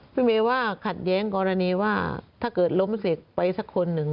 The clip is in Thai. พี่เมย์ว่าขัดแย้งกรณีว่าถ้าเกิดล้มเสกไปสักคนหนึ่ง